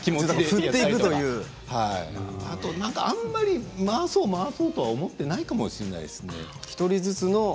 あとあんまり回そうと思っていないかもしれないですね。